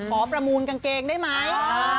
ขอประมูลกางเกงได้ไหมอ๋อ